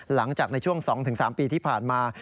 หลังจากในช่วง๒๓ปีที่ผ่านมา